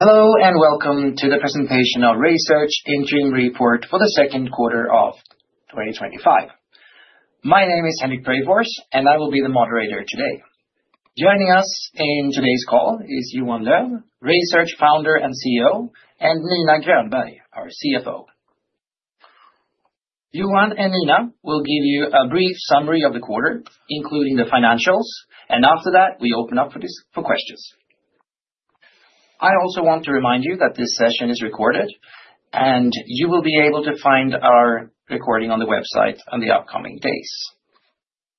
Hello and welcome to the presentation of RaySearch Interim Report for the Second Quarter of 2025. My name is Henrik Preifors, and I will be the moderator today. Joining us in today's call is Johan Löf, RaySearch founder and CEO, and Nina Grönberg, our CFO. Johan and Nina will give you a brief summary of the quarter, including the financials, and after that, we open up for questions. I also want to remind you that this session is recorded, and you will be able to find our recording on the website in the upcoming days.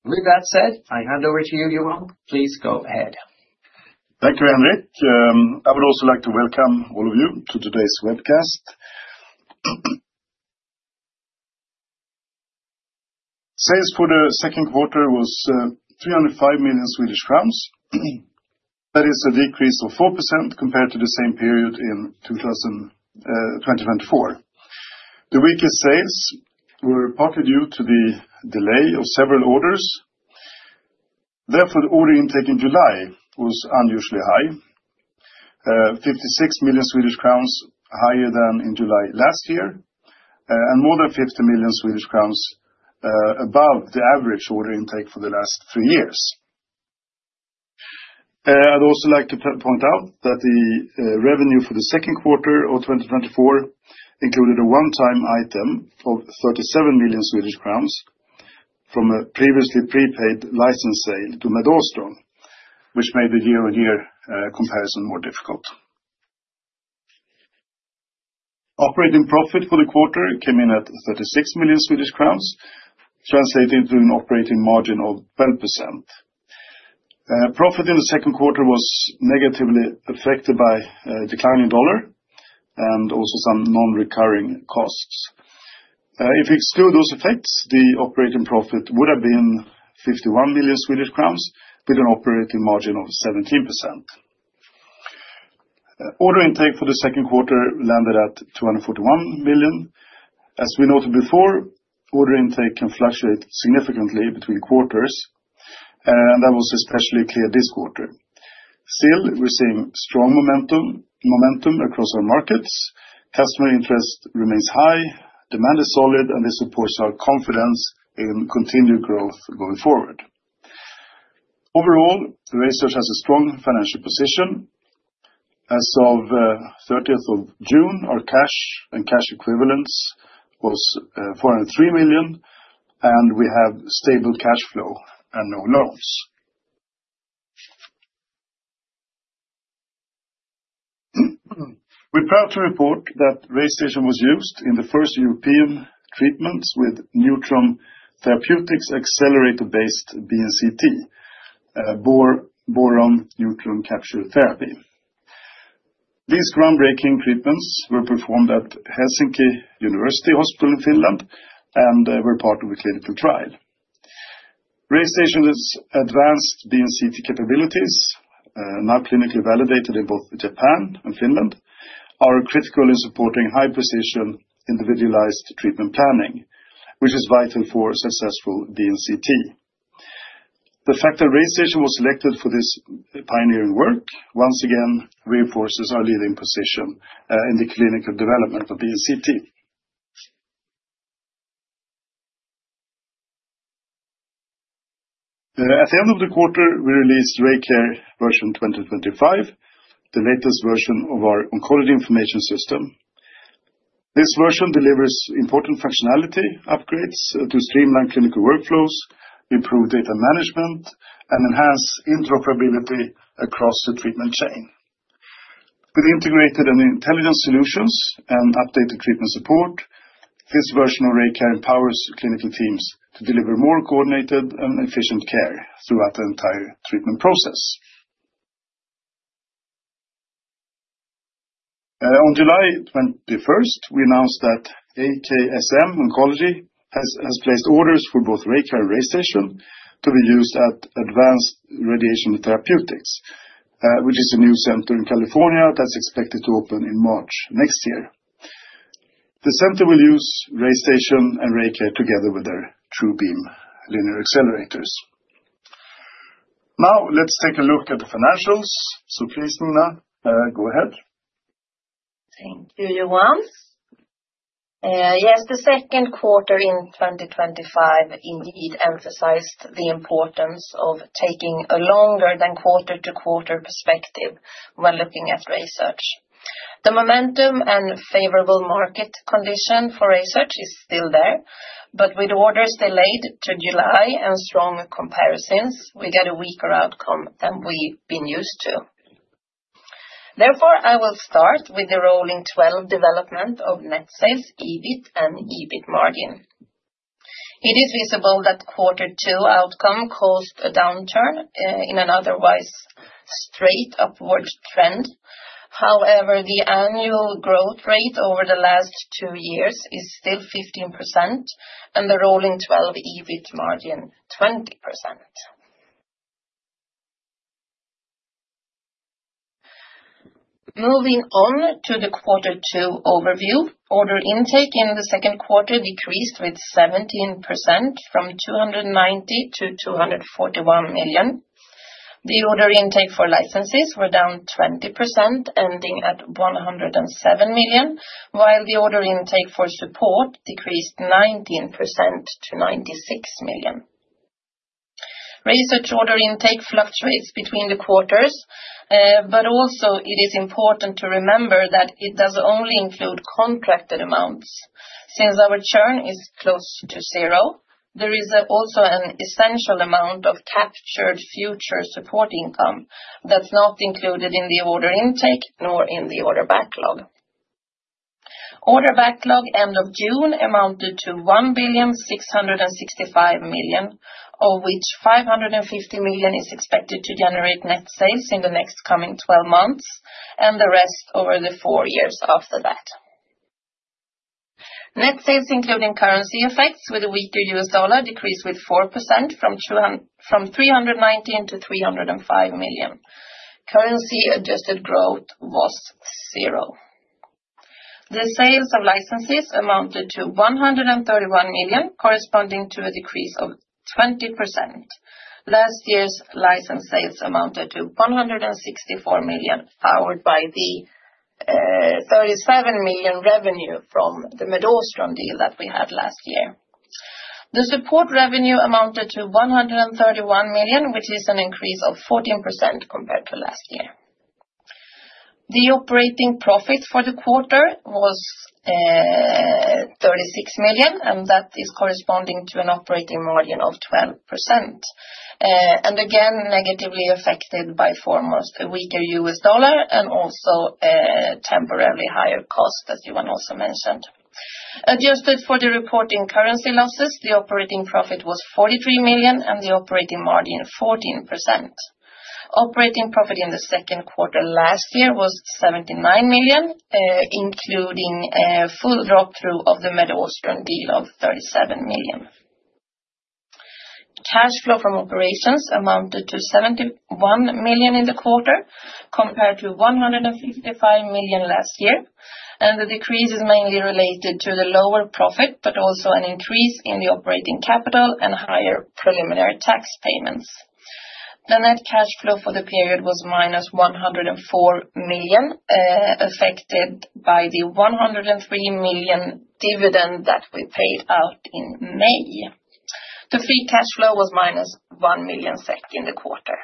With that said, I hand over to you, Johan. Please go ahead. Thank you, Henrik. I would also like to welcome all of you to today's webcast. Sales for the second quarter was 305 million Swedish crowns. That is a decrease of 4% compared to the same period in 2024. The weakest sales were partly due to the delay of several orders. Therefore, the order intake in July was unusually high: SEK 56 million, higher than in July last year, and more than 50 million Swedish crowns above the average order intake for the last three years. I'd also like to point out that the revenue for the second quarter of 2024 included a one-time item of 37 million Swedish crowns from a previously prepaid license sale to MedAustron, which made the year-on-year comparison more difficult. Operating profit for the quarter came in at 36 million Swedish crowns, translating to an operating margin of 12%. Profit in the second quarter was negatively affected by a declining dollar and also some non-recurring costs. If we exclude those effects, the operating profit would have been 51 million Swedish crowns with an operating margin of 17%. Order intake for the second quarter landed at 241 million. As we noted before, order intake can fluctuate significantly between quarters, and that was especially clear this quarter. Still, we're seeing strong momentum across our markets. Customer interest remains high, demand is solid, and this supports our confidence in continued growth going forward. Overall, RaySearch has a strong financial position. As of the 30th of June, our cash and cash equivalents were 403 million, and we have stable cash flow and no loans. We're proud to report that RaySearch was used in the first European treatments with Neutron Therapeutics Accelerator-based BNCT, boron neutron capture therapy. These groundbreaking treatments were performed at Helsinki University Hospital in Finland, and they were part of a clinical trial. RaySearch advanced BNCT capabilities, now clinically validated in both Japan and Finland, are critical in supporting high-precision individualized treatment planning, which is vital for successful BNCT. The fact that RaySearch was selected for this pioneering work once again reinforces our leading position in the clinical development of BNCT. At the end of the quarter, we released RayCare version 2025, the latest version of our oncology information system. This version delivers important functionality upgrades to streamline clinical workflows, improve data management, and enhance interoperability across the treatment chain. With integrated intelligence solutions and updated treatment support, this version of RayCare empowers clinical teams to deliver more coordinated and efficient care throughout the entire treatment process. On July 21st, we announced that AKSM Oncology has placed orders for both RayCare and RayStation to be used at Advanced Radiation Therapeutics, which is a new center in California that's expected to open in March next year. The center will use RayStation and RayCare together with their TrueBeam linear accelerators. Now, let's take a look at the financials. Kristina, go ahead. Thank you, Johan. Yes, the second quarter in 2025 indeed emphasized the importance of taking a longer than quarter-to-quarter perspective when looking at RaySearch. The momentum and favorable market condition for RaySearch is still there, but with orders delayed to July and strong comparisons, we get a weaker outcome than we've been used to. Therefore, I will start with the rolling 12 development of net sales, EBIT, and EBIT margin. It is visible that quarter two outcome caused a downturn in an otherwise straight upward trend. However, the annual growth rate over the last two years is still 15% and the rolling 12 EBIT margin 20%. Moving on to the quarter two overview, order intake in the second quarter decreased by 17% from 290 million to 241 million. The order intake for licenses was down 20%, ending at 107 million, while the order intake for support decreased 19% to 96 million. RaySearch order intake fluctuates between the quarters, but also it is important to remember that it does only include contracted amounts. Since our churn is close to zero, there is also an essential amount of captured future support income that's not included in the order intake nor in the order backlog. Order backlog at the end of June amounted to 1,665,000,000, of which 550 million is expected to generate net sales in the next coming 12 months and the rest over the four years after that. Net sales in total, including currency effects with a weaker U.S. dollar, decreased by 4% from 319 million to 305 million. Currency adjusted growth was zero. The sales of licenses amounted to 131 million, corresponding to a decrease of 20%. Last year's license sales amounted to 164 million, powered by the 37 million revenue from the MedAustron deal that we had last year. The support revenue amounted to 131 million, which is an increase of 14% compared to last year. The operating profits for the quarter were 36 million, and that is corresponding to an operating margin of 12%. This was negatively affected by the former weaker US dollar and also a temporarily higher cost, as Johan also mentioned. Adjusted for the reporting currency losses, the operating profit was 43 million and the operating margin 14%. Operating profit in the second quarter last year was 79 million, including a full drop-through of the MedAustron deal of 37 million. Cash flow from operations amounted to 71 million in the quarter compared to 155 million last year, and the decrease is mainly related to the lower profit, but also an increase in the operating capital and higher preliminary tax payments. The net cash flow for the period was -104 million, affected by the 103 million dividend that we paid out in May. The free cash flow was -1 million SEK, second quarter.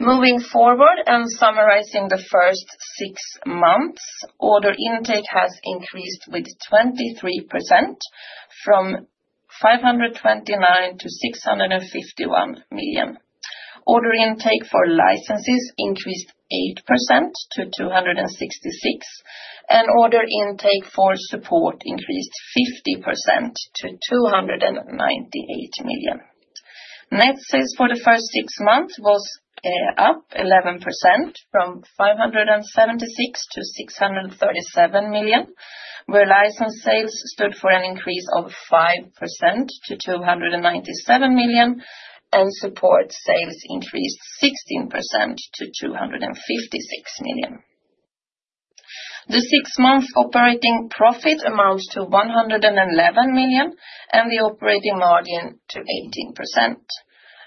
Moving forward and summarizing the first six months, order intake has increased with 23% from 529 million to 651 million. Order intake for licenses increased 8% to 266 million, and order intake for support increased 50% to 298 million. Net sales for the first six months were up 11% from 576 million to 637 million, where license sales stood for an increase of 5% to 297 million, and support sales increased 16% to 256 million. The six-month operating profit amounts to 111 million and the operating margin to 18%.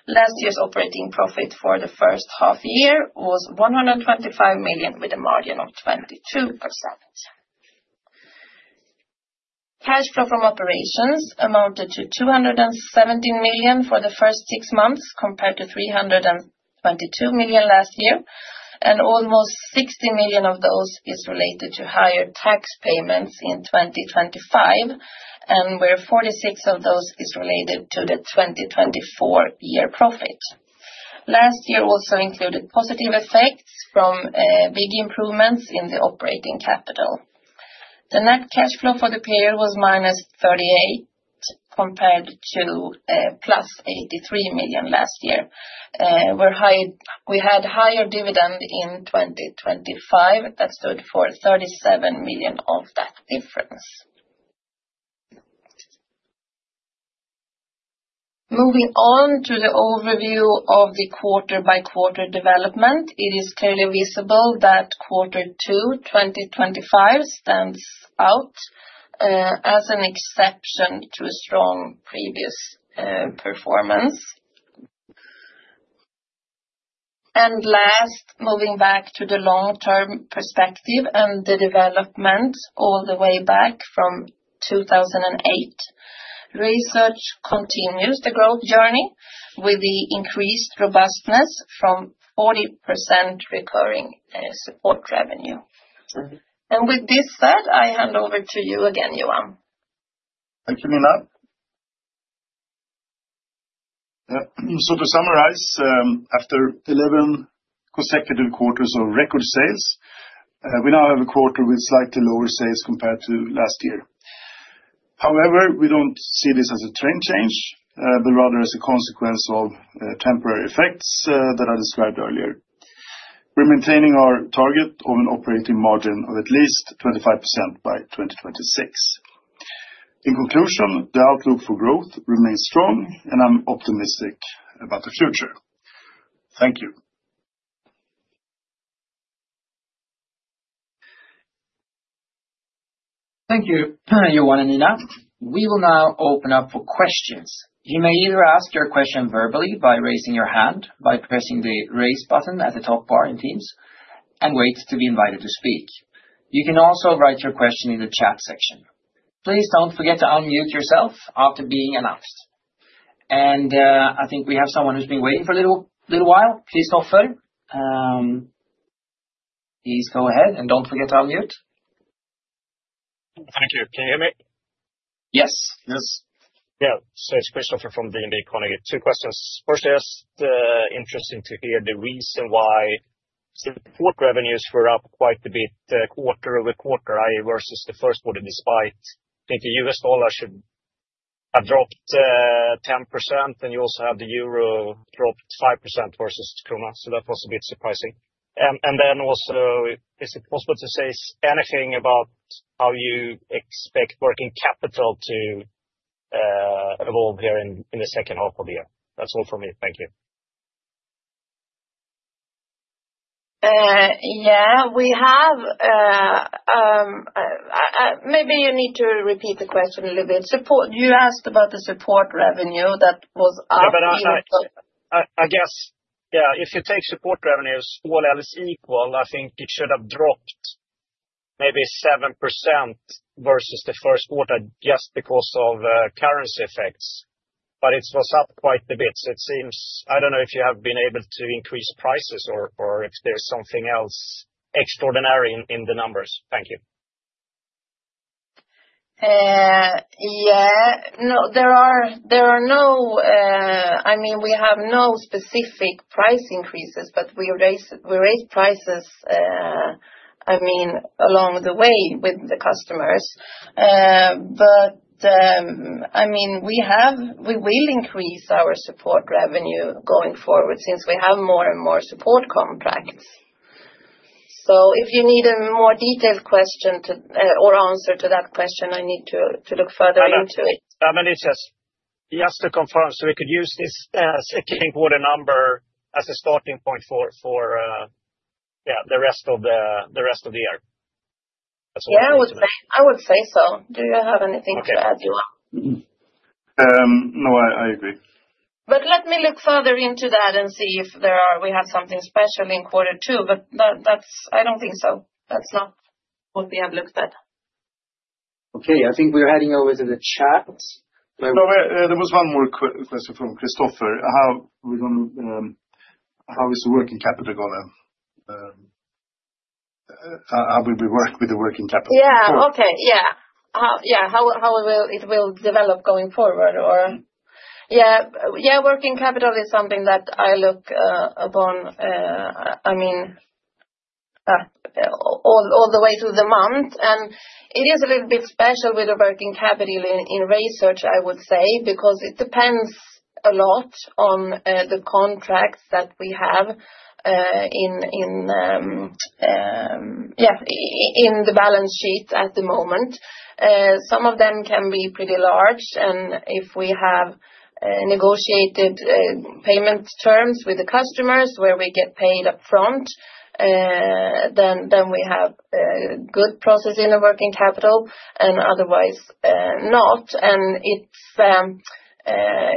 Last year's operating profit for the first half year was 125 million with a margin of 22%. Cash flow from operations amounted to 217 million for the first six months compared to 322 million last year, and almost 60 million of those is related to higher tax payments in 2025, and where 46 million of those is related to the 2024 year profits. Last year also included positive effects from big improvements in the operating capital. The net cash flow for the period was -38 million compared to +83 million last year. We had a higher dividend in 2025 that stood for 37 million of that difference. Moving on to the overview of the quarter-by-quarter development, it is clearly visible that quarter two, 2025, stands out as an exception to strong previous performance. Last, moving back to the long-term perspective and the development all the way back from 2008, RaySearch continues the growth journey with the increased robustness from 40% recurring support revenue. With this said, I hand over to you again, Johan. Thank you, Nina. To summarize, after 11 consecutive quarters of record sales, we now have a quarter with slightly lower sales compared to last year. However, we don't see this as a trend change, but rather as a consequence of temporary effects that I described earlier. We're maintaining our target of an operating margin of at least 25% by 2026. In conclusion, the outlook for growth remains strong, and I'm optimistic about the future. Thank you. Thank you, Johan and Nina. We will now open up for questions. You may either ask your question verbally by raising your hand, by pressing the raise button at the top bar in Teams, and wait to be invited to speak. You can also write your question in the chat section. Please don't forget to unmute yourself after being announced. I think we have someone who's been waiting for a little while. Please go ahead and don't forget to unmute. Thank you. Can you hear me? Yes. Yes. It's Christopher from DNB Carnegie. Two questions. First, it's interesting to hear the reason why support revenues were up quite a bit quarter over quarter, i.e., versus the first quarter, despite I think the U.S. dollar should have dropped 10%, and you also have the euro dropped 5% versus the krona, so that was a bit surprising. Also, is it possible to say anything about how you expect working capital to evolve here in the second half of the year? That's all for me. Thank you. Yeah, we have. Maybe I need to repeat the question a little bit. You asked about the support revenue that was up. I guess, yeah, if you take support revenues, all else equal, I think it should have dropped maybe 7% versus the first quarter just because of currency effects. It was up quite a bit, so it seems, I don't know if you have been able to increase prices or if there's something else extraordinary in the numbers. Thank you. Yeah. No, there are no, I mean, we have no specific price increases, but we raise prices, I mean, along the way with the customers. I mean, we will increase our support revenue going forward since we have more and more support contracts. If you need a more detailed question or answer to that question, I need to look further into it. I mean, just to confirm, we could use this second quarter number as a starting point for the rest of the year. Yeah, I would say so. Do you have anything to add, Johan? No, I agree. Let me look further into that and see if we have something special in quarter two. I don't think so. That's not what we have looked at. Okay, I think we're heading over to the chat. There was one more question from Christopher. How is the working capital going? How will we work with the working capital? Yeah. Okay. Yeah. How will it develop going forward? Working capital is something that I look upon, I mean, all the way through the month. It is a little bit special with the working capital in RaySearch, I would say, because it depends a lot on the contracts that we have in the balance sheet at the moment. Some of them can be pretty large, and if we have negotiated payment terms with the customers where we get paid upfront, then we have a good process in the working capital, otherwise, not.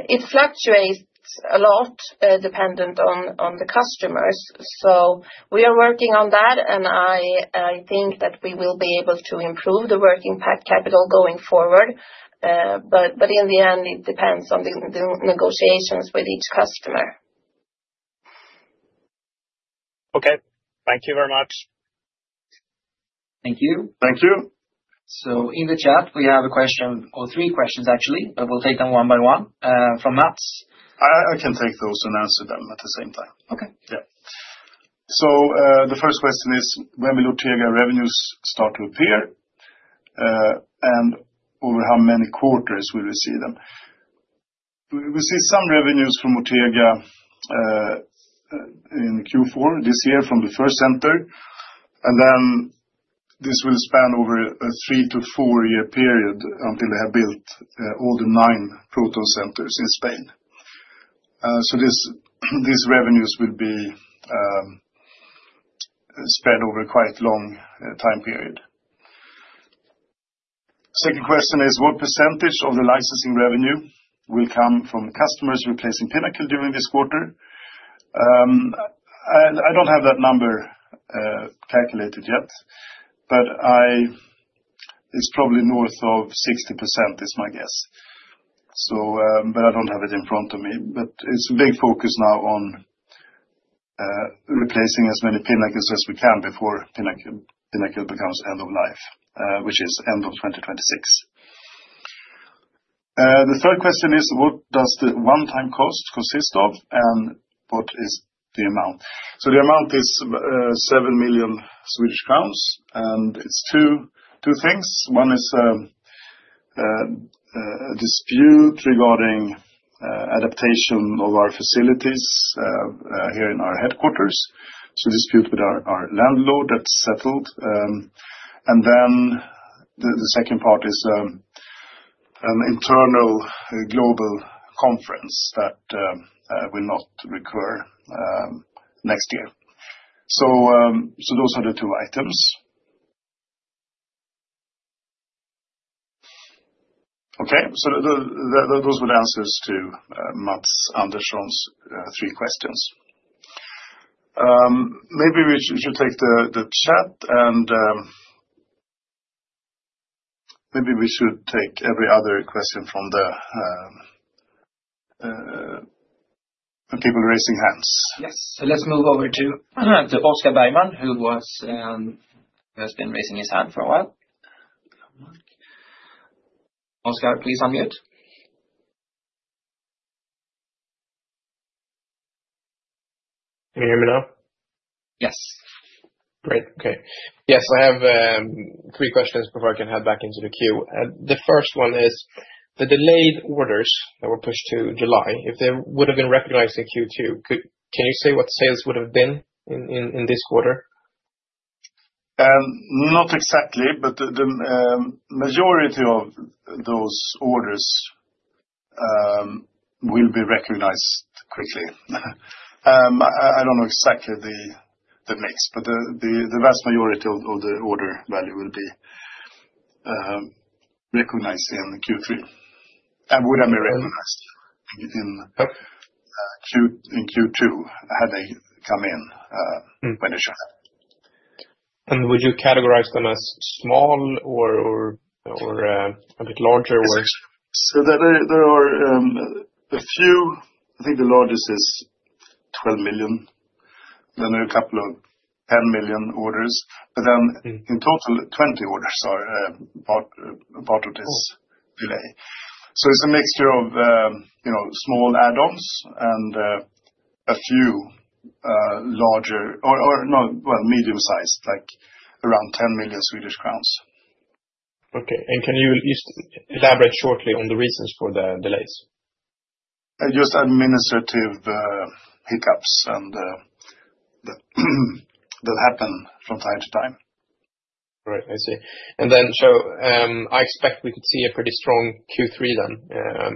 It fluctuates a lot dependent on the customers. We are working on that, and I think that we will be able to improve the working capital going forward. In the end, it depends on the negotiations with each customer. Okay, thank you very much. Thank you. Thank you. In the chat, we have a question, or three questions actually. We'll take them one by one from Mats. I can take those and answer them at the same time. Okay. Yeah. The first question is, when will Ortega revenues start to appear and over how many quarters will we see them? We received some revenues from Ortega in Q4 this year from the first center. This will span over a 3-4 year period until they have built all the nine proton centers in Spain. These revenues will be spread over quite a long time period. Second question is, what percentage of the licensing revenue will come from customers replacing Pinnacle during this quarter? I don't have that number calculated yet, but it's probably north of 60% is my guess. I don't have it in front of me. It's a big focus now on replacing as many Pinnacles as we can before Pinnacle becomes end of life, which is end of 2026. The third question is, what does the one-time cost consist of and what is the amount? The amount is 7 million Swedish crowns, and it's two things. One is a dispute regarding adaptation of our facilities here in our headquarters, a dispute with our landlord that's settled. The second part is an internal global conference that will not recur next year. Those are the two items. Okay. Those were the answers to Mats Andersson's three questions. Maybe we should take the chat and maybe we should take every other question from the people raising hands. Yes, let's move over to Oscar Bergman, who has been raising his hand for a while. Oscar, please unmute. Can you hear me now? Yes. Great. Okay. Yes, I have three questions before I can head back into the queue. The first one is, the delayed orders that were pushed to July, if they would have been recognized in Q2, can you say what sales would have been in this quarter? Not exactly, but the majority of those orders will be recognized quickly. I don't know exactly the mix, but the vast majority of the order value will be recognized in Q3. Would it be recognized in Q2 had they come in when they showed up? Would you categorize them as small or a bit larger? There are a few. I think the largest is 12 million. There are a couple of 10 million orders. In total, 20 orders are part of this delay. It's a mixture of small add-ons and a few larger or, no, medium-sized, like around 10 million Swedish crowns. Okay. Can you elaborate shortly on the reasons for the delays? Just administrative hiccups that happen from time to time. Right. I see. I expect we could see a pretty strong Q3.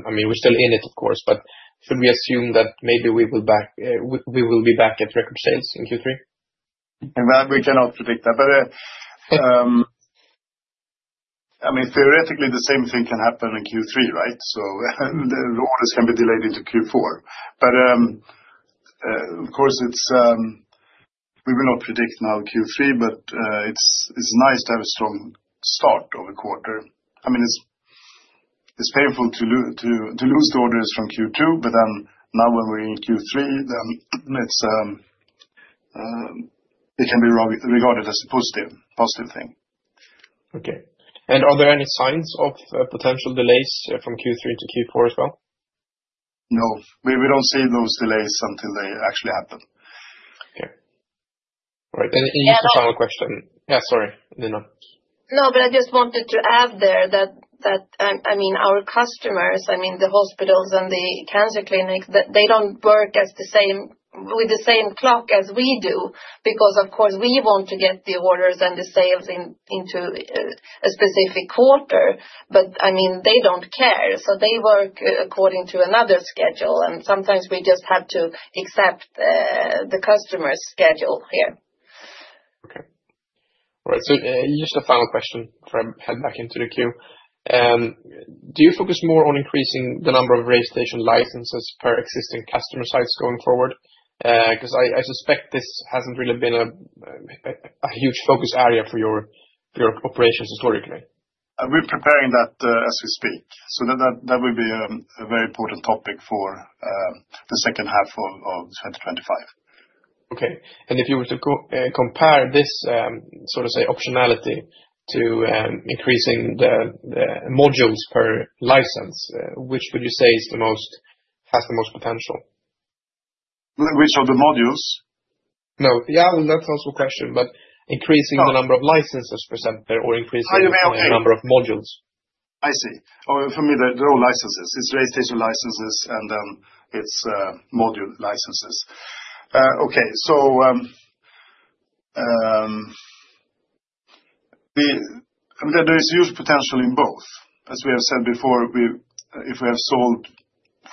I mean, we're still in it, of course, but should we assume that maybe we will be back at record sales in Q3? We cannot predict that. I mean, theoretically, the same thing can happen in Q3, right? The orders can be delayed into Q4. Of course, we will not predict now Q3, but it's nice to have a strong start of a quarter. I mean, it's painful to lose the orders from Q2, but now when we're in Q3, it can be regarded as a positive thing. Are there any signs of potential delays from Q3 to Q4 as well? No, we don't see those delays until they actually happen. Right. Just a final question. Sorry, Nina. No, but I just wanted to add there that, I mean, our customers, I mean, the hospitals and the cancer clinics, they don't work with the same clock as we do because, of course, we want to get the orders and the sales into a specific quarter. They don't care. They work according to another schedule. Sometimes we just have to accept the customer's schedule here. Right. Just a final question before I head back into the queue. Do you focus more on increasing the number of RayStation licenses per existing customer sites going forward? I suspect this hasn't really been a huge focus area for your operations historically. We're preparing that as we speak. That will be a very important topic for the second half of 2025. Okay. If you were to compare this sort of, say, optionality to increasing the modules per license, which would you say has the most potential? Which of the modules? Yeah, I mean, that's also a question, but increasing the number of licenses per center or increasing the number of modules. I see. For me, they're all licenses. It's RayStation licenses and then it's module licenses. There is huge potential in both. As we have said before, if we have sold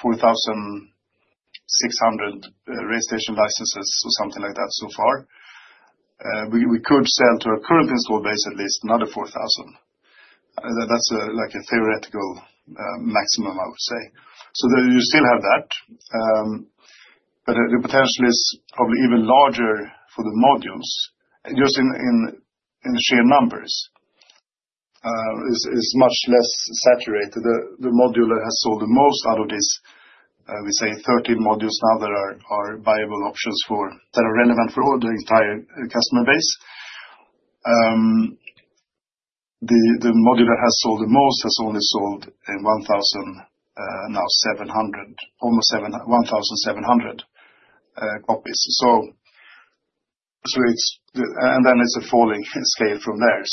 4,600 RayStation licenses or something like that so far, we could send to our current install base at least another 4,000. That's like a theoretical maximum, I would say. You still have that. The potential is probably even larger for the modules. Just in sheer numbers, it's much less saturated. The module that has sold the most out of these, we say 13 modules now that are viable options that are relevant for all the entire customer base. The module that has sold the most has only sold 1,000, now 700, almost 1,700 copies, and it's a falling scale from there.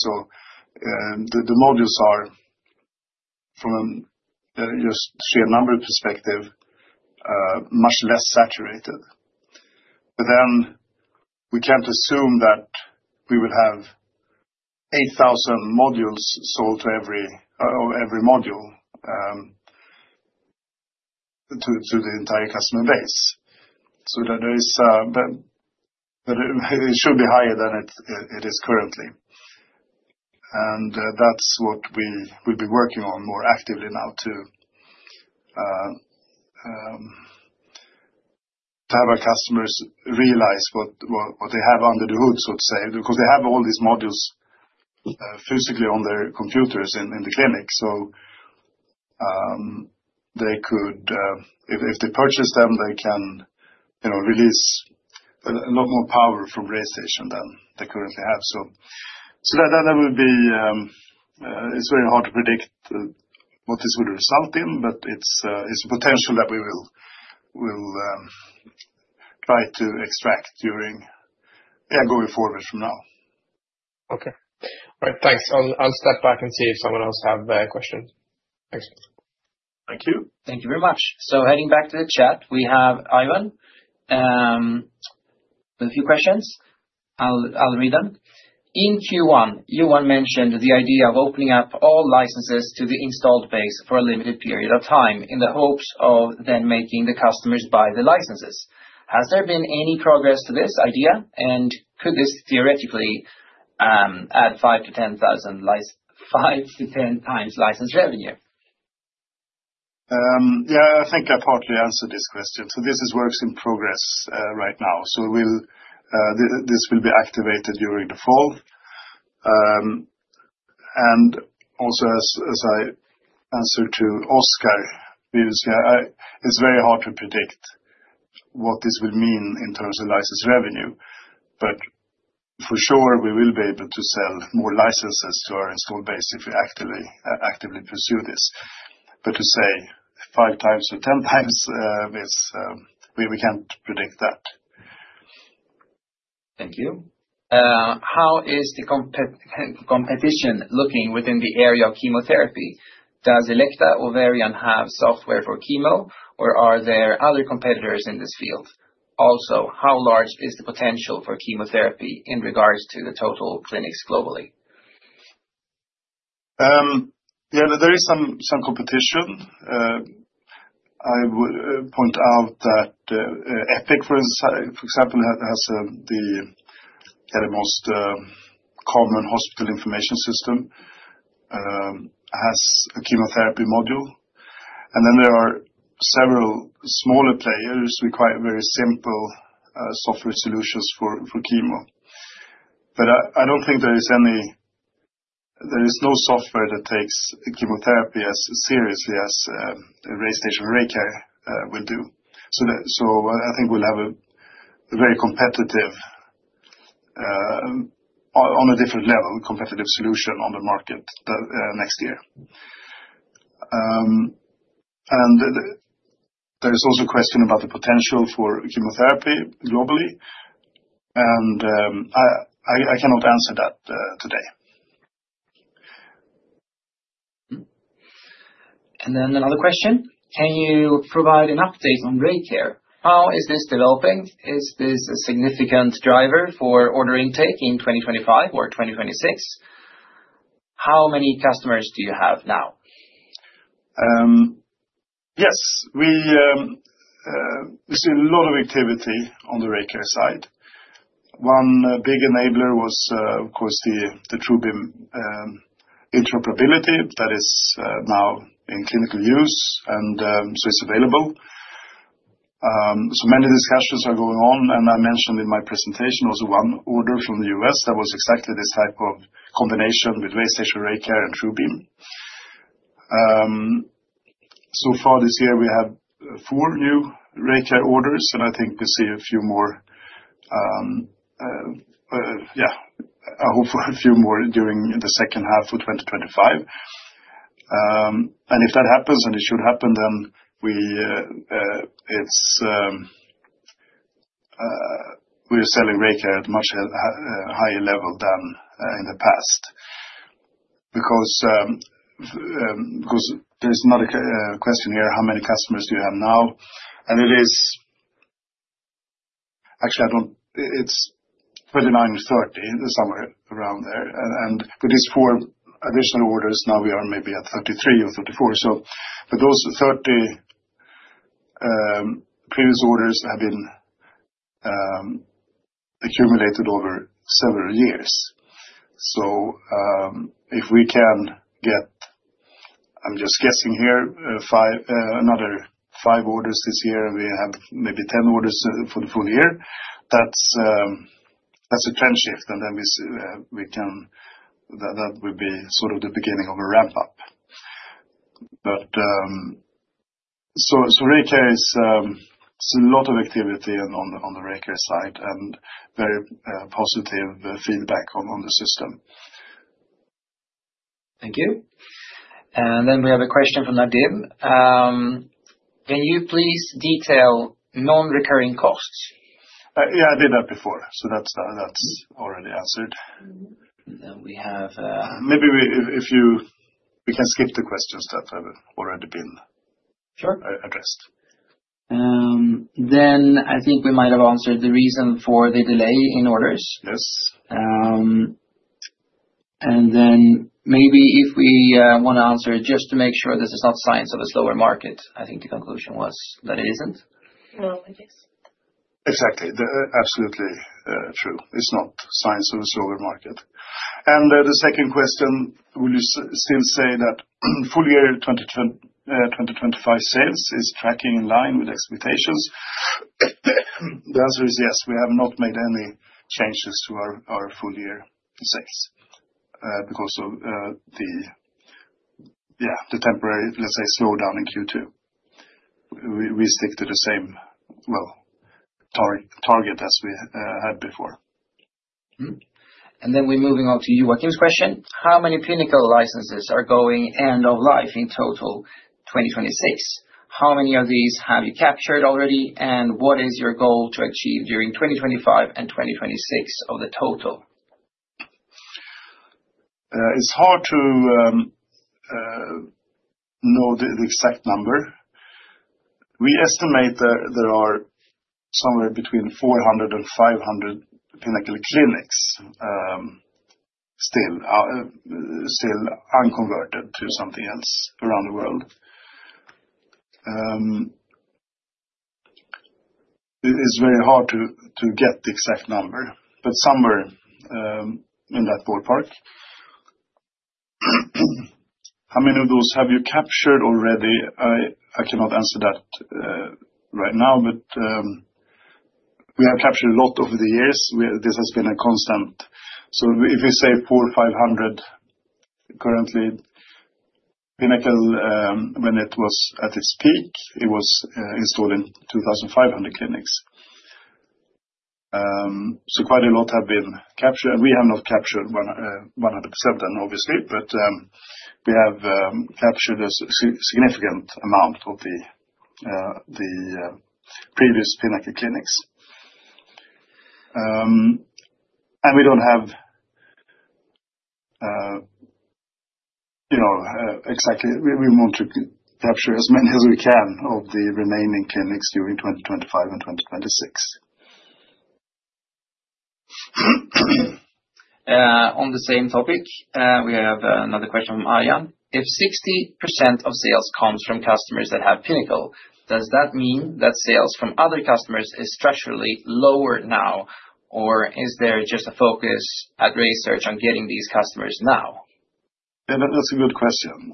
The modules are, from just sheer number perspective, much less saturated. We can't assume that we would have 8,000 modules sold for every module to the entire customer base. It shouldn't be higher than it is currently. That's what we will be working on more actively now, to have our customers realize what they have under the hood, so to say, because they have all these modules physically on their computers in the clinic. If they purchase them, they can release a lot more power from RayStation than they currently have. It's very hard to predict what this would result in, but it's a potential that we will try to extract going forward from now. All right. Thanks. I'll step back and see if someone else has a question. Thanks. Thank you. Thank you very much. Heading back to the chat, we have Ivan with a few questions. I'll read them. In Q1, you mentioned the idea of opening up all licenses to the install base for a limited period of time in the hopes of then making the customers buy the licenses. Has there been any progress to this idea, and could this theoretically add 5x-10x license revenue? I think I partly answered this question. This is a work in progress right now. This will be activated during the fall. Also, as I answered to Oscar previously, it's very hard to predict what this will mean in terms of license revenue. For sure, we will be able to sell more licenses to our install base if we actively pursue this. To say 5x-10x, we can't predict that. Thank you. How is the competition looking within the area of chemotherapy? Does Elekta or Varian have software for chemo, or are there other competitors in this field? Also, how large is the potential for chemotherapy in regards to the total clinics globally? Yeah, there is some competition. I would point out that Epic, for example, has the most common hospital information system, has a chemotherapy module. There are several smaller players with quite very simple software solutions for chemo. I don't think there is any, there is no software that takes chemotherapy as seriously as RayStation and RayCare will do. I think we'll have a very competitive, on a different level, competitive solution on the market next year. There's also a question about the potential for chemotherapy globally. I cannot answer that today. Can you provide an update on RayCare? How is this developing? Is this a significant driver for order intake in 2025 or 2026? How many customers do you have now? Yes. We see a lot of activity on the RayCare side. One big enabler was, of course, the TrueBeam interoperability that is now in clinical use, and so it's available. Many discussions are going on, and I mentioned in my presentation also one order from the U.S. that was exactly this type of combination with RayStation, RayCare, and TrueBeam. So far this year, we have four new RayCare orders, and I think we see a few more. I hope for a few more during the second half of 2025. If that happens, and it should happen, then we're selling RayCare at a much higher level than in the past. There is another question here, how many customers do you have now? It is actually, I don't, it's 29, 30, somewhere around there. For these four additional orders, now we are maybe at 33 or 34. Those 30 previous orders have been accumulated over several years. If we can get, I'm just guessing here, another five orders this year, and we have maybe 10 orders for the full year, that's a trend shift. That would be sort of the beginning of a ramp-up. RayCare is a lot of activity on the RayCare side and very positive feedback on the system. Thank you. We have a question from Nadim. Can you please detail non-recurring costs? I did that before. That's already answered. We have. Maybe you can skip the questions that have already been. Sure. I guess. I think we might have answered the reason for the delay in orders. Yes. If we want to answer it just to make sure this is not a sign of a slower market, I think the conclusion was that it isn't. No, it is. Exactly. Absolutely true. It's not science of a slower market. The second question, will you still say that full-year 2025 sales is tracking in line with expectations? The answer is yes. We have not made any changes to our full-year sales because of the, yeah, the temporary, let's say, slowdown in Q2. We stick to the same target as we had before. We're moving on to you, Joachim, question. How many Pinnacle licenses are going end of life in total 2026? How many of these have you captured already, and what is your goal to achieve during 2025 and 2026 of the total? It's hard to know the exact number. We estimate that there are somewhere between 400 and 500 Pinnacle clinics still unconverted to something else around the world. It's very hard to get the exact number, but somewhere in that ballpark. How many of those have you captured already? I cannot answer that right now, but we have captured a lot over the years. This has been a constant. If we say 400, 500 currently, when it was at its peak, it was installing 2,500 clinics. Quite a lot have been captured. We have not captured 100%, obviously, but we have captured a significant amount of the previous Pinnacle clinics. We don't have, you know, exactly. We want to capture as many as we can of the remaining clinics during 2025 and 2026. On the same topic, we have another question from Aryan. If 60% of sales comes from customers that have Pinnacle, does that mean that sales from other customers are structurally lower now, or is there just a focus at RaySearch on getting these customers now? Yeah, that's a good question.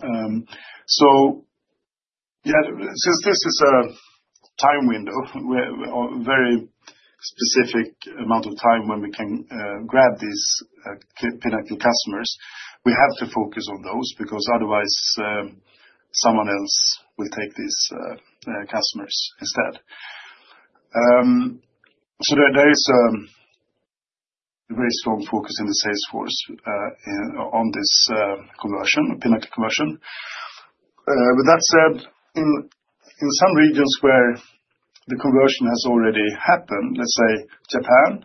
Since this is a time window where a very specific amount of time when we can grab these Pinnacle customers, we have to focus on those because otherwise, someone else will take these customers instead. There is a very strong focus in the salesforce on this conversion, Pinnacle conversion. With that said, in some regions where the conversion has already happened, let's say Japan,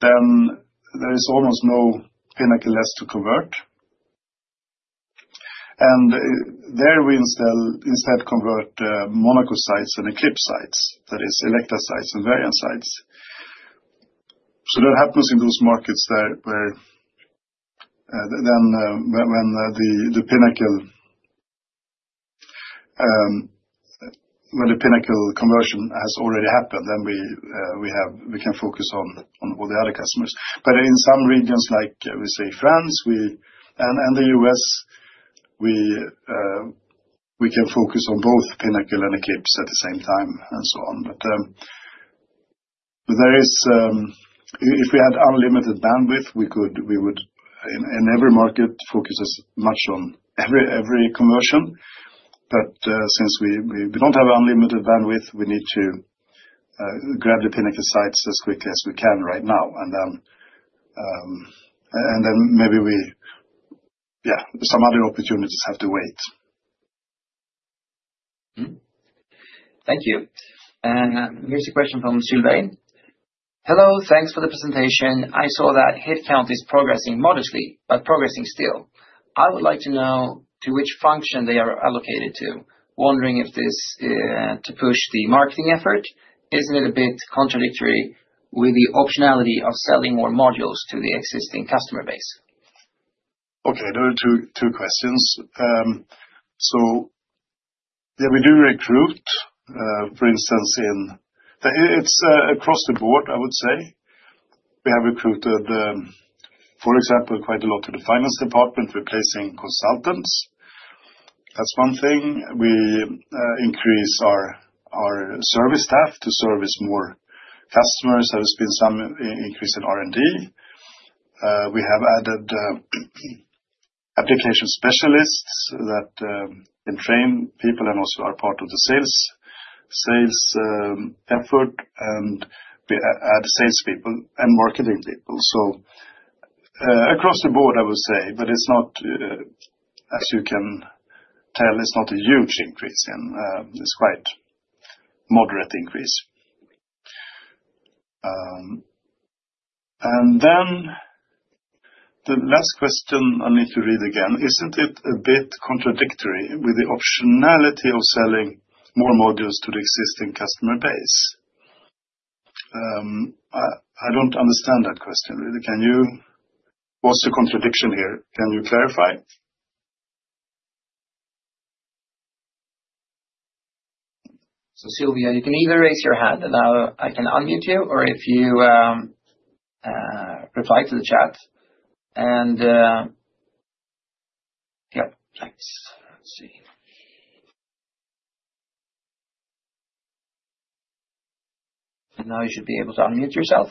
then there is almost no Pinnacle left to convert. There we instead convert Monaco sites and the CHIPS sites, that is Elekta sites and Varian sites. That happens in those markets where when the Pinnacle conversion has already happened, we can focus on all the other customers. In some regions, like France and the U.S., we can focus on both Pinnacle and the CHIPS at the same time and so on. If we had unlimited bandwidth, we would in every market focus as much on every conversion. Since we don't have unlimited bandwidth, we need to grab the Pinnacle sites as quickly as we can right now. Maybe some other opportunities have to wait. Thank you. Here's a question from Sylvain. Hello, thanks for the presentation. I saw that headcount is progressing modestly, but progressing still. I would like to know to which function they are allocated to. Wondering if this is to push the marketing effort. Isn't it a bit contradictory with the optionality of selling more modules to the existing customer base? Okay. There are two questions. Yeah, we do recruit. For instance, it's across the board, I would say. We have recruited, for example, quite a lot to the finance department, replacing consultants. That's one thing. We increase our service staff to service more customers. There has been some increase in R&D. We have added application specialists that train people and also are part of the sales effort. We add salespeople and marketing people. Across the board, I would say, but it's not, as you can tell, it's not a huge increase. It's quite a moderate increase. The last question I need to read again, isn't it a bit contradictory with the optionality of selling more modules to the existing customer base? I don't understand that question. Can you, what's the contradiction here? Can you clarify it? Sylvain, you can either raise your hand and I can unmute you, or if you reply to the chat. Thanks. Now you should be able to unmute yourself.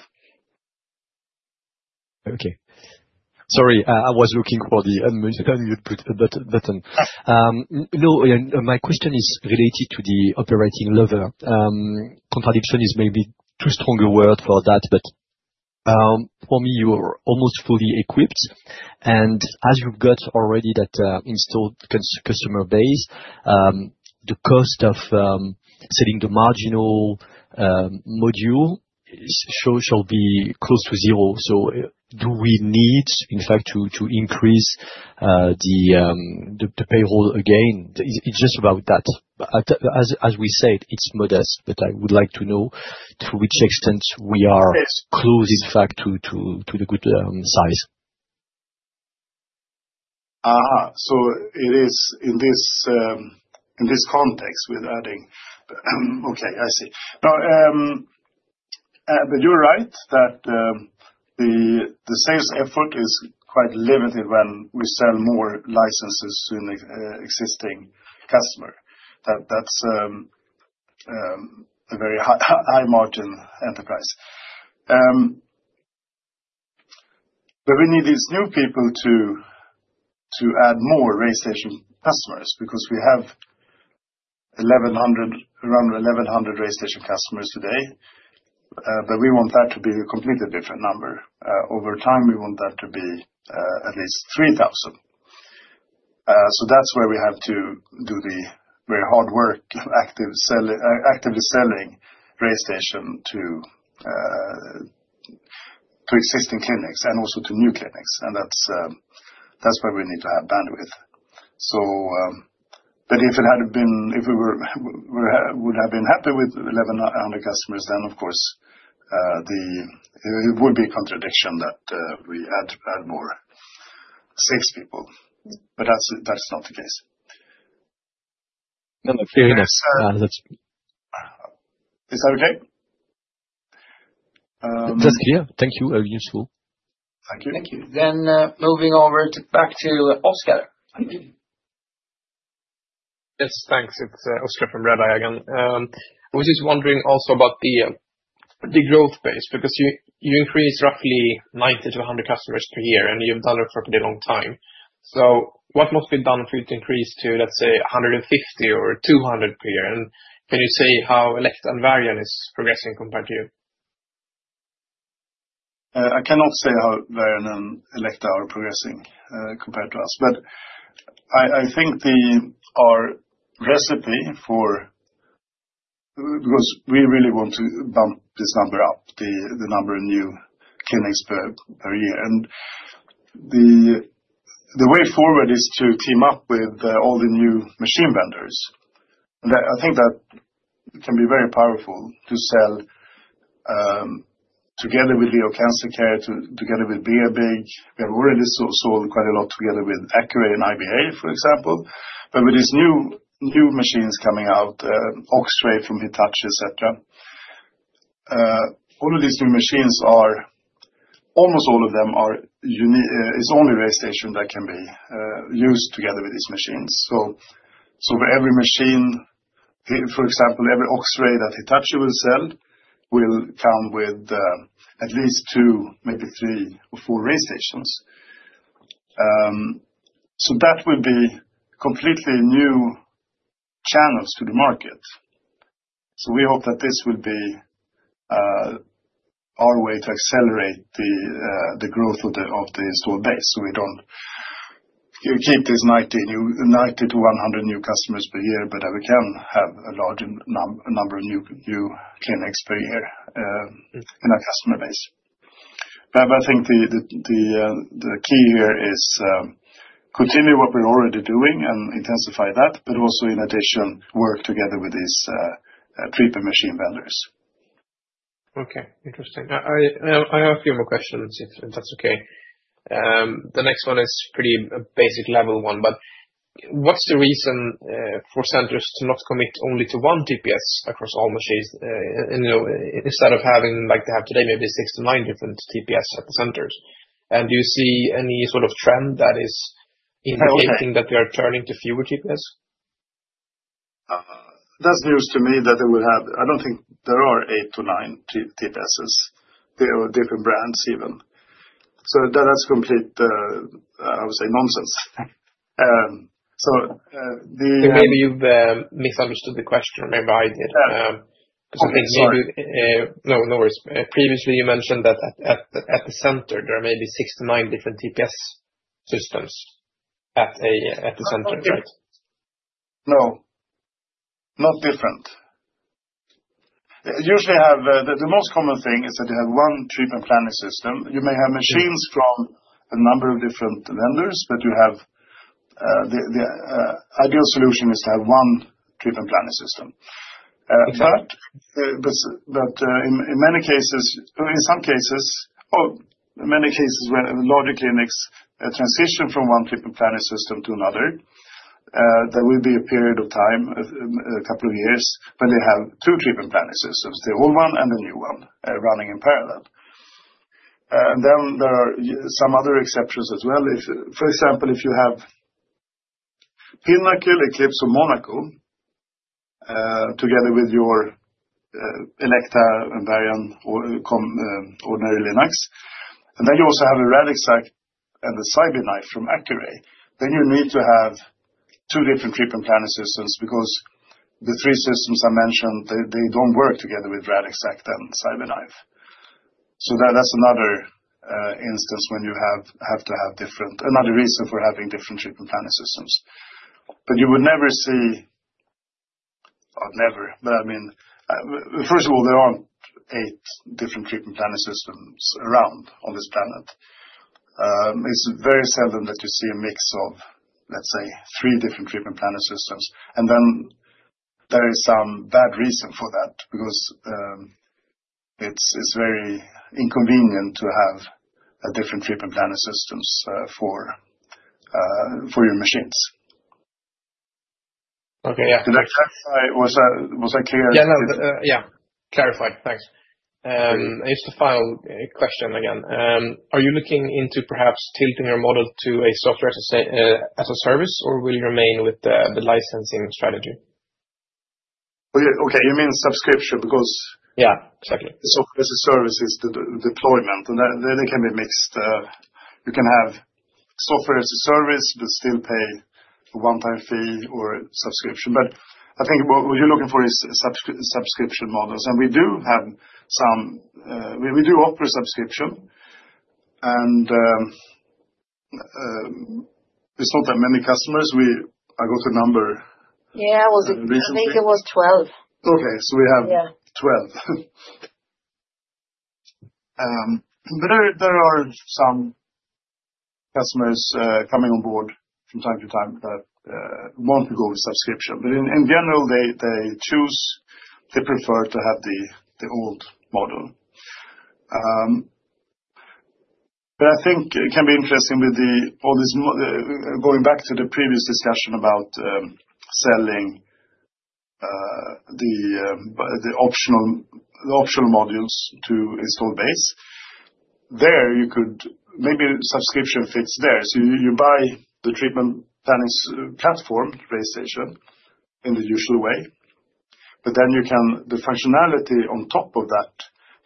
Okay. Sorry, I was looking for the unmute button. No, my question is related to the operating level. Contradiction is maybe too strong a word for that, but for me, you are almost fully equipped. As you got already that installed customer base, the cost of selling the marginal module shall be close to zero. Do we need, in fact, to increase the payroll again? It's just about that. As we said, it's modest, but I would like to know to which extent we are close, in fact, to the good size. It is in this context with adding. Okay, I see. You're right that the sales effort is quite limited when we sell more licenses to an existing customer. That's a very high margin enterprise. We need these new people to add more RayStation customers because we have around 1,100 RayStation customers today. We want that to be a completely different number. Over time, we want that to be at least 3,000. That's where we have to do the very hard work of actively selling RayStation to existing clinics and also to new clinics. That's where we need to have bandwidth. If we would have been happy with 1,100 customers, then, of course, it would be a contradiction that we add more salespeople. That's not the case. No, clear in this. Is that okay? Yeah, thank you. Very useful. Thank you. Thank you. Moving over back to Oscar. Yes, thanks. It's Oscar from Redeye again. I was just wondering also about the growth base because you increase roughly 90-100 customers per year, and you've done it for a pretty long time. What must be done for you to increase to, let's say, 150 or 200 per year? Can you say how Elekta and Varian is progressing compared to you? I cannot say how Varian and Elekta are progressing compared to us. I think our recipe for because we really want to bump this number up, the number of new clinics per year. The way forward is to team up with all the new machine vendors. I think that can be very powerful to sell together with VO Cancer Care, together with BAB. We have already sold quite a lot together with Accuray and IBA, for example. With these new machines coming out, Oxtray from Hitachi, etc., all of these new machines are almost all of them are unique. It's only RayStation that can be used together with these machines. For every machine, for example, every Oxtray that Hitachi will sell will come with at least two, maybe three, or four RayStations. That will be completely new channels to the market. We hope that this will be our way to accelerate the growth of the install base. We don't keep these 90-100 new customers per year, but that we can have a larger number of new clinics per year in our customer base. I think the key here is to continue what we're already doing and intensify that, but also in addition, work together with these treatment machine vendors. Okay. Interesting. I have a few more questions if that's okay. The next one is a pretty basic level one, but what's the reason for centers to not commit only to one TPS across all machines instead of having like they have today, maybe six to nine different TPS at the centers? Do you see any sort of trend that is indicating that they are turning to fewer TPS? That's news to me that they will have. I don't think there are eight to nine TPSs or different brands even. That's complete, I would say, nonsense. Maybe you misunderstood the question. Maybe I did. Sorry. No worries. Previously, you mentioned that at the center, there are maybe six to nine different TPS systems at the center, right? No, not different. Usually, the most common thing is that you have one treatment planning system. You may have machines from a number of different vendors, but the ideal solution is to have one treatment planning system. In many cases, when larger clinics transition from one treatment planning system to another, there will be a period of time, a couple of years, when they have two treatment planning systems, the old one and the new one running in parallel. There are some other exceptions as well. For example, if you have Pinnacle, Eclipse, or Monaco together with your Elekta, Varian, or ordinary linacs, and then you also have a Radixact and the CyberKnife from Accuray, then you need to have two different treatment planning systems because the three systems I mentioned, they don't work together with Radixact and CyberKnife. That's another instance when you have to have different, another reason for having different treatment planning systems. You would never see, I'd never, but I mean, first of all, there aren't eight different treatment planning systems around on this planet. It's very seldom that you see a mix of, let's say, three different treatment planning systems. There is some bad reason for that because it's very inconvenient to have different treatment planning systems for your machines. Okay, yeah. Did I clarify? Was I clear? Yeah, clarified. Thanks. Here's the final question again. Are you looking into perhaps tilting your model to a software as a service, or will you remain with the licensing strategy? Okay, you mean subscription, because. Yeah, exactly. Software as a service is the deployment, and then it can be mixed. You can have software as a service, but still pay a one-time fee or subscription. I think what you're looking for is subscription models. We do have some, we do offer a subscription. It's not that many customers. I got a number. Yeah, I think it was 12. Okay, so we have 12. There are some customers coming on board from time to time that want to go with subscription. In general, they choose, they prefer to have the old model. I think it can be interesting with all this, going back to the previous discussion about selling the optional modules to install base. There, you could maybe, subscription fits there. You buy the treatment planning platform, RayStation, in the usual way. The functionality on top of that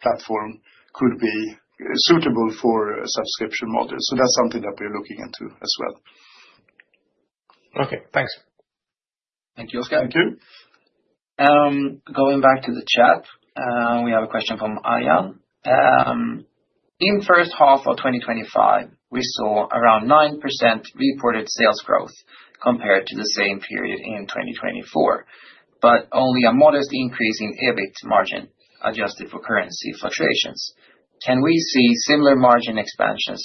platform could be suitable for a subscription model. That's something that we're looking into as well. Okay, thanks. Thank you, Oscar. Thank you. Going back to the chat, we have a question from Aryan. In the first half of 2025, we saw around 9% reported sales growth compared to the same period in 2024, but only a modest increase in EBIT margin adjusted for currency fluctuations. Can we see similar margin expansions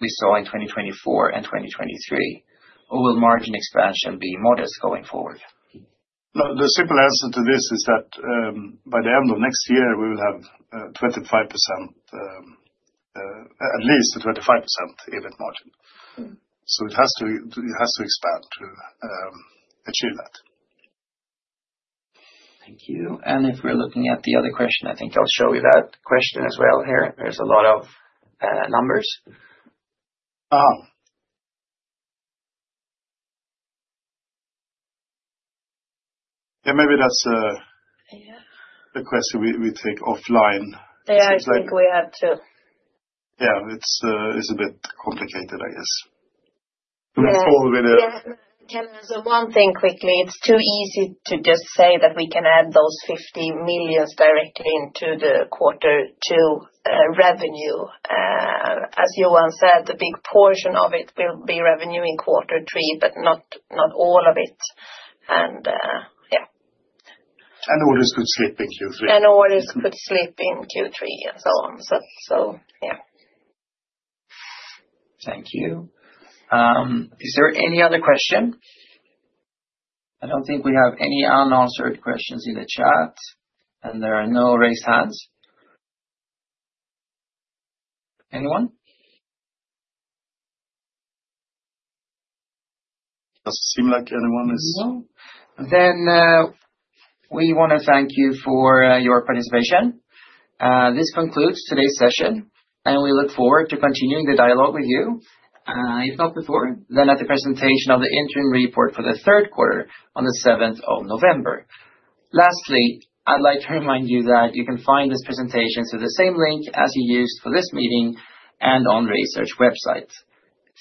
we saw in 2024 and 2023, or will margin expansion be modest going forward? No, the simple answer to this is that by the end of next year, we will have 25%, at least a 25% EBIT margin. It has to expand to achieve that. Thank you. If we're looking at the other question, I think I'll show you that question as well here. There's a lot of numbers. That may be a question we take offline. Yeah, I think we have to. Yeah, it's a bit complicated, I guess. Can I say one thing quickly? It's too easy to just say that we can add those 50 million directly into the quarter two revenue. As Johan said, the big portion of it will be revenue in quarter three, but not all of it. Orders could slip into three. Orders could slip into three and so on. Thank you. Is there any other question? I don't think we have any unanswered questions in the chat, and there are no raised hands. Anyone? It doesn't seem like anyone is. We want to thank you for your participation. This concludes today's session, and we look forward to continuing the dialogue with you. If not before, at the presentation of the interim report for the third quarter on the 7th of November. Lastly, I'd like to remind you that you can find this presentation through the same link as you used for this meeting and on RaySearch's website.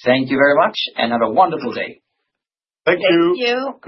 Thank you very much and have a wonderful day. Thank you. Thank you.